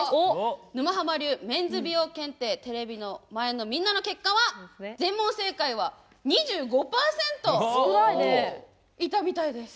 沼ハマ流・メンズ美容検定テレビの前のみんなの結果は、全問正解は２５％いたみたいです。